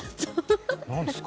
何ですか？